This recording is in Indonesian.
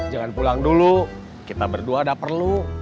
jangan pulang dulu kita berdua udah perlu